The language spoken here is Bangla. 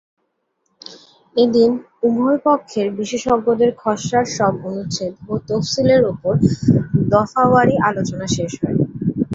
এদিন উভয়পক্ষের বিশেষজ্ঞদের খসড়ার সব অনুচ্ছেদ ও তফসিলের ওপর দফাওয়ারি আলোচনা শেষ হয়।